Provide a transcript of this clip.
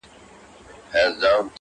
• چي زه ماشوم وم له لا تر اوسه پوري -